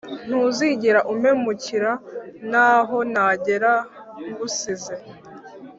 ntuzigera umpemukira, ntaho nagera ngusize